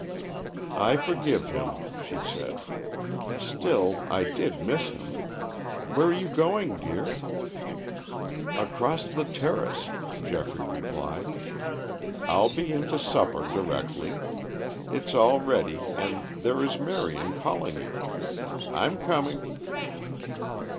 "I forgive him," she said. "Still, I did miss him. Where are you going, dear?" "Across the terrace," Geoffrey replied. "I'll be in to supper directly. It's all ready, and there is Marion calling you. I'm coming."